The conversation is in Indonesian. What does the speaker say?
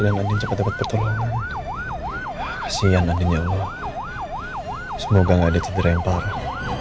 yang ada cepet cepet pertolongan kasihan adinya semua semoga enggak ada cedera yang parah